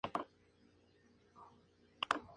Es clasificatorio al Seven de Hong Kong.